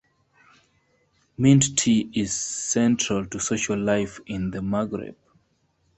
Mint tea is central to social life in the Maghreb.